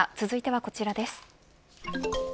続いてはこちらです。